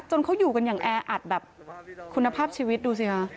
เขาอยู่กันอย่างแออัดแบบคุณภาพชีวิตดูสิค่ะ